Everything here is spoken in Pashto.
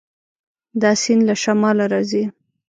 دا سیند له شماله راځي.